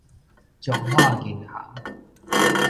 彰化銀行